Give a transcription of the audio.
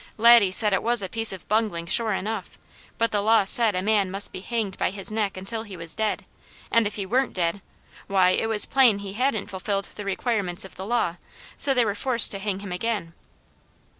Laddie said it was a piece of bungling sure enough, but the law said a man must be "hanged by his neck until he was dead," and if he weren't dead, why, it was plain he hadn't fulfilled the requirements of the law, so they were forced to hang him again.